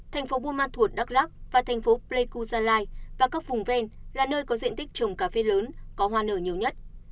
thành phố buôn ma thuột đắk lắc và thành phố pleiku gia lai và các vùng ven là nơi có diện tích trồng cà phê lớn có hoa nở nhiều nhất